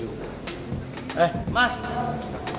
eeh mas disini